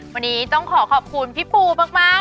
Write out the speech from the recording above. วันนี้ต้องขอขอบคุณพี่ปูมาก